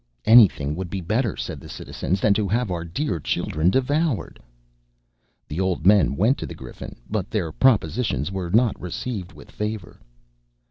"Any thing would be better," said the citizens, "than to have our dear children devoured." The old men went to the Griffin, but their propositions were not received with favor.